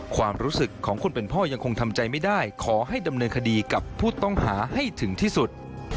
ความรู้สึกของคนเป็นพ่อยังคงทำใจไม่ได้ขอให้ดำเนินคดีกับผู้ต้องหาให้ถึงที่สุด